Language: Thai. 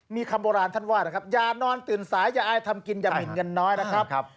มีคำโบราณท่านว่านะครับอย่านอนตื่นสายอย่าอายทำกินอย่าหมินเงินน้อยนะครับ